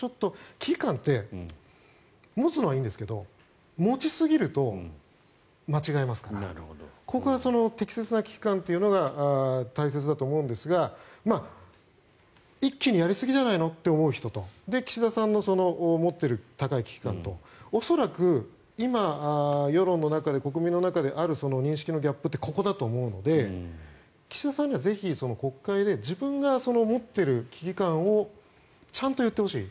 危機感って持つのはいいんですが持ちすぎると間違いますからここは適切な危機感というのが大切だと思うんですが一気にやりすぎじゃないの？って思う人と岸田さんの持っている高い危機感と恐らく今、世論の中で国民の中である認識のギャップってここだと思うので岸田さんにはぜひ国会で自分が持っている危機感をちゃんと言ってほしい。